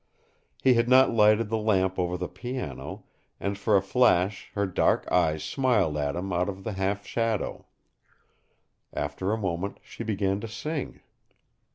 He had not lighted the lamp over the piano, and for a flash her dark eyes smiled at him out of the half shadow. After a moment she began to sing.